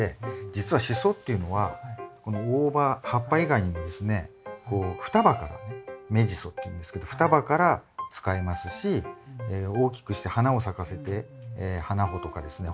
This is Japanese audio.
実はシソっていうのはこの大葉葉っぱ以外にもですねこう双葉からね芽ジソっていうんですけど双葉から使いますし大きくして花を咲かせて花穂とかですね